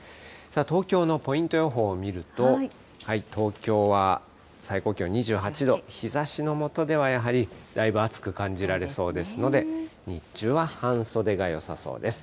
東京のポイント予報を見ると、東京は最高気温２８度、日ざしの下では、やはりだいぶ暑く感じられそうですので、日中は半袖がよさそうです。